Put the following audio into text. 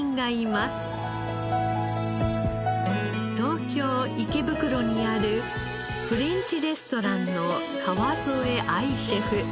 東京池袋にあるフレンチレストランの川副藍シェフ。